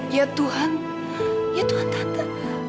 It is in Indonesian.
ya tuhan ya tuhan tante